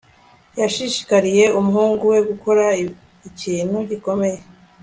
Yashishikarije umuhungu we gukora ikintu gikomeye